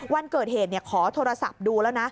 วันเกิดเหตุขอโทรศัพท์ดูแล้วนะ